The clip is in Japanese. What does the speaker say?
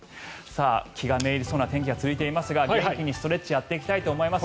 気が滅入るそんな天気が続いていますが元気にストレッチやっていきたいと思います。